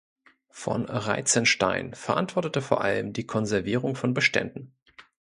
Von Reitzenstein verantwortete vor allem die Konservierung von Beständen.